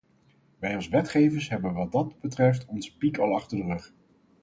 Wij als wetgevers hebben wat dat betreft onze piek al achter de rug.